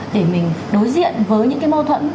để mình đối diện với những cái mâu thuẫn